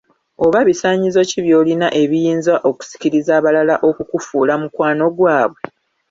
Oba bisaanyizo ki by’olina ebiyinza okusikiriza abalala okukufuula mukwanogwabwe?